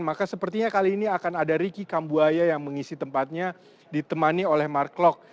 maka sepertinya kali ini akan ada riki kambuaya yang mengisi tempatnya ditemani oleh mark klok